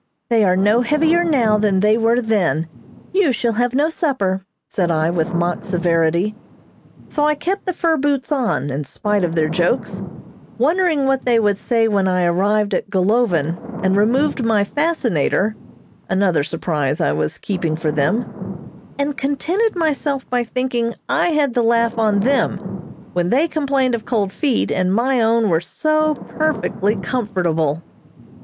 They are no heavier now than they were then. You shall have no supper," said I, with mock severity. So I kept the fur boots on, in spite of their jokes, wondering what they would say when I arrived at Golovin and removed my fascinator (another surprise I was keeping for them), and contented myself by thinking I had the laugh on them, when they complained of cold feet, and my own were so perfectly comfortable.